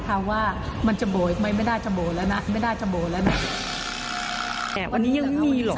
สามมาสามมาแล้วมาไปด้วยนะ